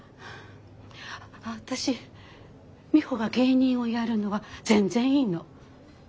私ミホが芸人をやるのは全然いいの。